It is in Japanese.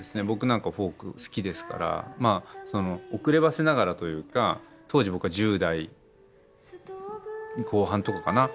僕なんかフォーク好きですからまあ遅ればせながらというか当時僕は１０代後半とかかな。